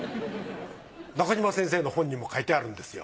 中島先生の本にも書いてあるんですよ。